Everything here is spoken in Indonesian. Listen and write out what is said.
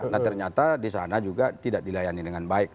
nah ternyata di sana juga tidak dilayani dengan baik